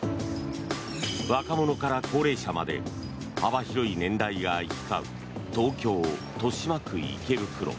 若者から高齢者まで幅広い年代が行き交う東京・豊島区池袋。